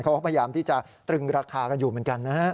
เขาก็พยายามที่จะตรึงราคากันอยู่เหมือนกันนะฮะ